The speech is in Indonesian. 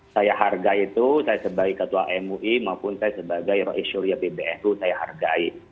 saya hargai itu saya sebagai ketua mui maupun saya sebagai rois syuriah pbnu saya hargai